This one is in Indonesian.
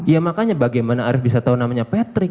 ya makanya bagaimana arief bisa tahu namanya patrick